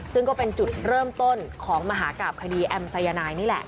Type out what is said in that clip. ซึ่งก็เป็นจุดเริ่มต้นของมหากราบคดีแอมสายนายนี่แหละ